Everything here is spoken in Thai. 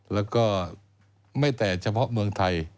แล้วก็ไม่แต่เฉพาะเมืองไทย